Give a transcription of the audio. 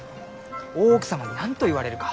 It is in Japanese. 大奥様に何と言われるか。